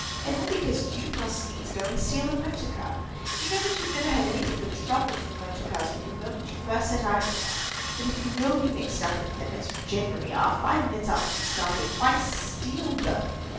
And all because you must needs go and steal a motor car. You know that you've never had anything but trouble from motor cars from the moment you first set eyes on one. But if you will be mixed up with them—as you generally are, five minutes after you've started—why steal them?